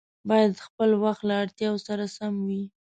باید د خپل وخت له اړتیاوو سره سم وي.